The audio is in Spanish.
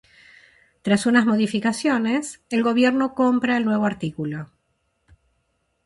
Tras unas modificaciones, el gobierno compra el nuevo artículo.